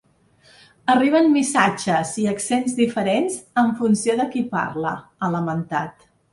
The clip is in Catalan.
“Arriben missatges i accents diferents en funció de qui parla”, ha lamentat.